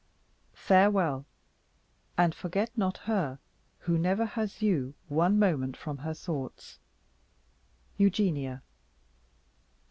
Farewell! and forget not her who never has you one moment from her thoughts. "EUGENIA.